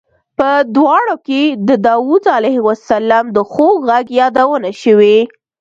په دواړو کې د داود علیه السلام د خوږ غږ یادونه شوې.